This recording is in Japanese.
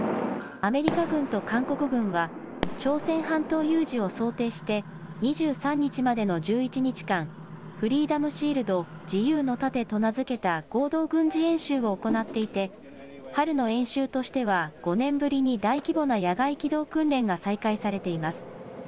アメリカ軍と韓国軍は、朝鮮半島有事を想定して、２３日までの１１日間、フリーダム・シールド・自由の盾と名付けた合同軍事演習を行っていて、春の演習としては５年ぶりに大規模な野外機動訓練が再開されています。